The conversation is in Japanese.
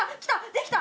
できた！